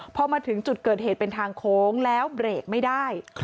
พอมาถึงจุดเกิดเหตุเป็นทางโค้งแล้วเบรกไม่ได้